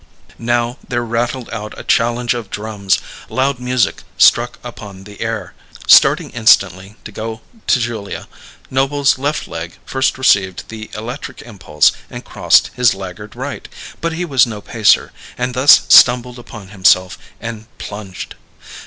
Now there rattled out a challenge of drums; loud music struck upon the air. Starting instantly to go to Julia, Noble's left leg first received the electric impulse and crossed his laggard right; but he was no pacer, and thus stumbled upon himself and plunged.